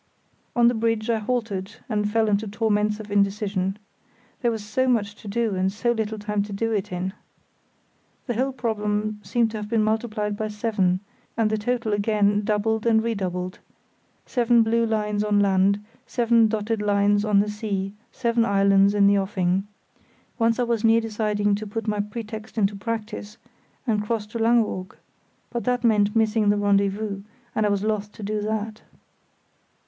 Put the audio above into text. On the bridge I halted and fell into torments of indecision. There was so much to do and so little time to do it in. The whole problem seemed to have been multiplied by seven, and the total again doubled and redoubled—seven blue lines on land, seven dotted lines on the sea, seven islands in the offing. Once I was near deciding to put my pretext into practice, and cross to Langeoog; but that meant missing the rendezvous, and I was loth to do that.